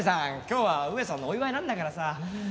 今日は梅さんのお祝いなんだからさ。